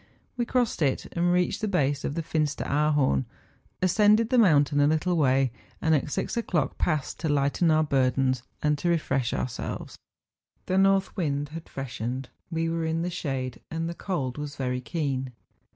We crossed it, and reached the base of the Finsteraarhorn, as¬ cended the moimtain a little way, and at six o'clock passed to lighten our burdens and to refresh our¬ selves. The north wind had freshened; we were in the shade, and the cold was very keen.